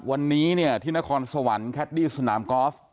วันนี้เนี่ยที่นครสวรรค์แคดดี้สนามกอล์ฟ